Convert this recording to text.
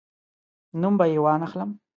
نوم به یې وانخلم.